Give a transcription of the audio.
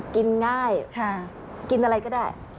กินง่ายกินอะไรก็ได้